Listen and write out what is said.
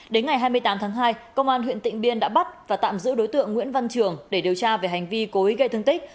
đến ngày hai mươi tám tháng hai công an huyện tịnh biên đã bắt và tạm giữ đối tượng nguyễn văn trường để điều tra về hành vi cố ý gây thương tích